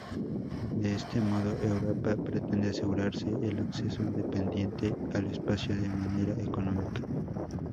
De este modo Europa pretende asegurarse el acceso independiente al espacio de manera económica.